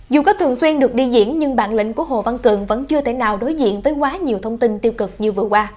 dù có thường xuyên được đi diễn nhưng bản lĩnh của hồ văn cường vẫn chưa thể nào đối diện với quá nhiều thông tin tiêu cực như vừa qua